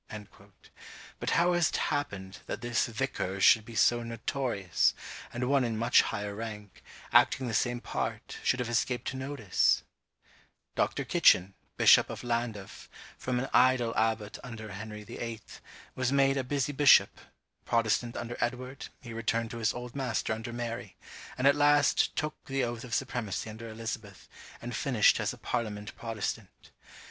But how has it happened that this vicar should be so notorious, and one in much higher rank, acting the same part, should have escaped notice? Dr. Kitchen, bishop of Llandaff, from an idle abbot under Henry VIII. was made a busy bishop; Protestant under Edward, he returned to his old master under Mary; and at last took the oath of supremacy under Elizabeth, and finished as a parliament Protestant.